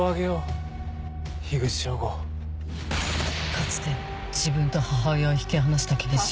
かつて自分と母親を引き離した刑事。